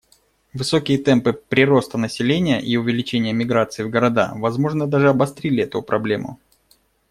Высокие темпы прироста населения и увеличение миграции в города, возможно, даже обострили эту проблему.